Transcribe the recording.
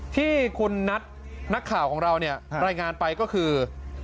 ที่คุณนัทนักข่าวของเราเนี่ยรายงานไปก็คือ